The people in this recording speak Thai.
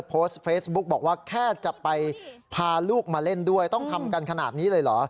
โพสต์เฟซบุ๊กบอกว่าแค่จะไปพาลูกมาเล่นด้วยต้องทำกันขนาดนี้เลยเหรอ